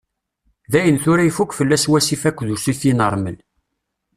Dayen tura ifuk fell-as wasif akked ussifi n ṛmel.